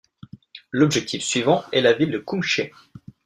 L'objectif suivant est la ville de Kumché.